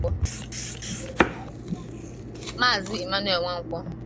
Maazị Emmanuel Nwankwo